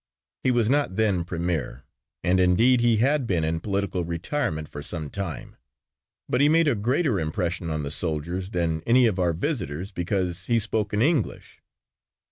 He was not then premier and indeed he had been in political retirement for some time, but he made a greater impression on the soldiers than any of our visitors because he spoke in English.